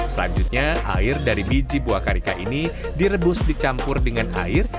selanjutnya air dari biji buah karika ini direbus dicampur dengan air